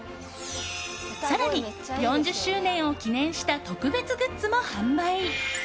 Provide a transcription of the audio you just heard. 更に、４０周年を記念した特別グッズも販売。